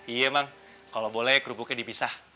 iya bang kalau boleh kerubuknya dipisah